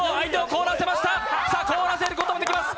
凍らせることもできます。